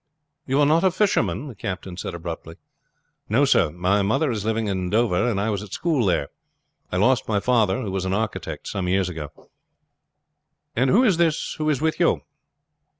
"You are not a fisherman?" the captain said abruptly. "No, sir; my mother is living at Dover, and I was at school there. I lost my father, who was an architect, some years ago." "And who is this who is with you?"